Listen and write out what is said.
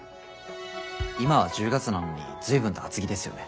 今は１０月なのに随分と厚着ですよね。